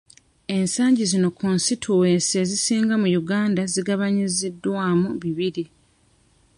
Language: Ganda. Ensangi zino konsitituwensi ezisinga mu Uganda zigabanyiziddwamu bibiri.